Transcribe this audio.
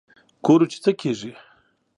ګورو چې څه کېږي.